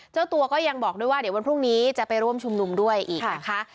เจ้าตัวก็ยังบอกด้วยว่าเดี๋ยววันพรุ่งนี้จะไปร่วมชุมนุมด้วยอีกนะคะ